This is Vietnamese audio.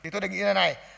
tôi đề nghị như thế này